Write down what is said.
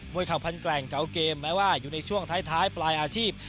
เข่าพันแกร่งเก่าเกมแม้ว่าอยู่ในช่วงท้ายปลายอาชีพ